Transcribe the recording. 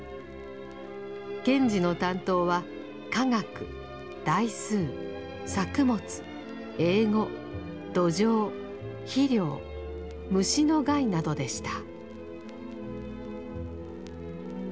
賢治の担当は化学代数作物英語土壌肥料虫の害などでした。